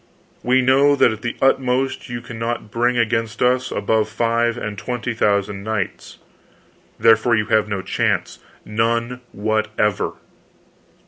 We know that at the utmost you cannot bring against us above five and twenty thousand knights. Therefore, you have no chance—none whatever.